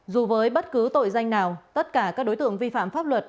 dù với bất cứ tội danh nào tất cả các đối tượng vi phạm pháp luật